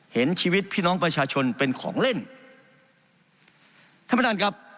เห็นชีวิตพี่น้องประชาชนเป็นของเล่นท่านประธานครับ